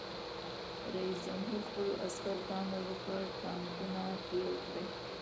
رئیس جمهور خپلو عسکرو ته امر وکړ؛ ټانکونه تېل کړئ!